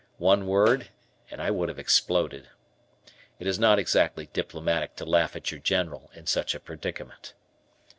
One word, and I would have exploded. It is not exactly diplomatic to laugh at your General in such a predicament.